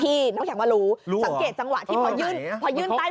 พี่น้องอยากมารู้สังเกตจังหวะที่พอยื่นพอยื่นใต้มือถือไป